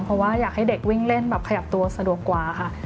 เพราะว่าอยากให้เด็กวิ่งเล่นแบบขยับตัวสะดวกกว่าค่ะ